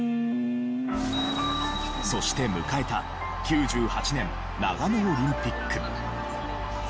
そして迎えた９８年長野オリンピック。